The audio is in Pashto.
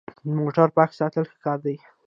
موټر پاک ساتل ښه کار دی.